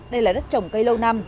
đây là đất trồng cây lâu năm